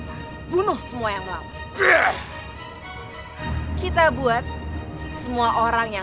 kampung sebelah sudah dikasih hasil rapasan